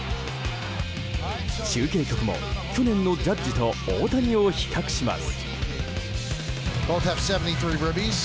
中継局も、去年のジャッジと大谷を比較します。